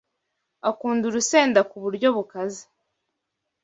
Akunda urusenda kuburyo bukaze;